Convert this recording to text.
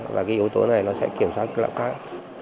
và cái yếu tố này nó sẽ kiểm soát lạng phát